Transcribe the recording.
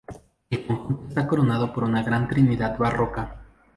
El conjunto está coronado por un gran Trinidad barroca.